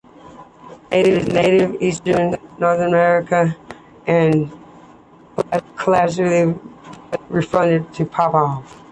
It is native to eastern North America and collectively referred to as pawpaw.